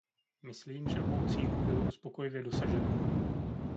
Myslím, že obou cílů bylo uspokojivě dosaženo.